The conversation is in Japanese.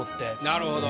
なるほど。